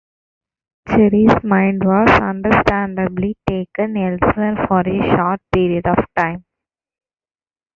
Jerry's mind was understandably taken elsewhere for a short period of time.